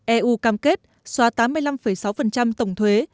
eu cam kết xóa tám mươi năm sáu tổng thuế